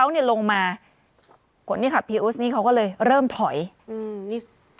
เขาเนี่ยลงมาคนที่ขับพีอูสนี่เขาก็เลยเริ่มถอยอืมนี่